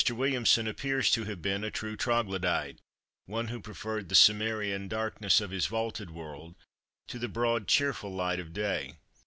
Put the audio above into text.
Williamson appears to have been a true Troglodite, one who preferred the Cimmerian darkness of his vaulted world, to the broad cheerful light of day.